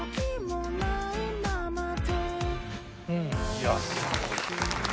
いやすごい。